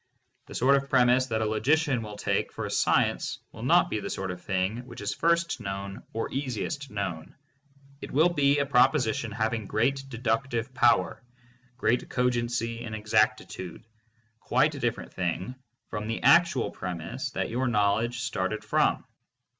The sort of premise that a logician will take for a science will not be the sort of thing which is first known or easiest known: it will be a proposition having great deductive power, great cogency and exactitude, quite a different thing from the THE PHILOSOPHY OF LOGICAL ATOMISM. 499 actual premise that your knowledge started from.